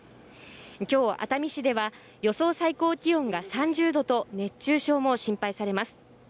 今日、熱海市では予想最高気温が３０度と熱中症も心配されます。